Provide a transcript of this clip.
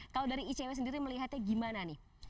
kalau dari icw sendiri melihatnya gimana nih